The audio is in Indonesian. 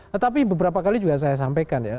tetapi beberapa kali juga saya sampaikan ya